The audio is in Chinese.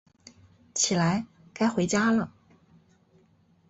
起来，该回家了